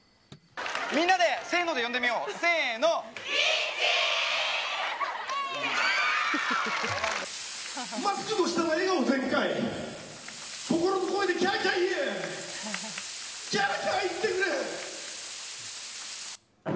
みんなでせーので呼んでみようミッチー！